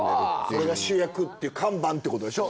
それが主役って看板ってことでしょ？